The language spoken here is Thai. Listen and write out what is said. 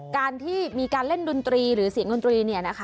การที่มีการเล่นดนตรีหรือเสียงดนตรี